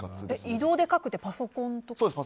移動で書くってパソコンとかですか？